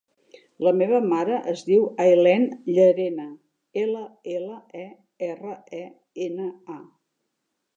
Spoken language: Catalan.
La meva mare es diu Aylen Llerena: ela, ela, e, erra, e, ena, a.